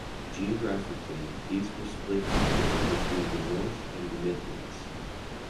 Geographically, these were split equally between the North and the Midlands.